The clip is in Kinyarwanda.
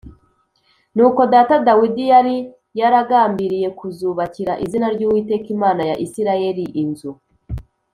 “Nuko data Dawidi yari yaragambiriye kuzubakira izina ry’Uwiteka Imana ya Isirayeli inzu,